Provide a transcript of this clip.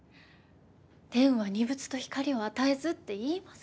「天は二物と光を与えず」って言います